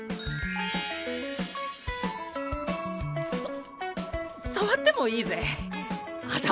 さ触ってもいいぜ頭。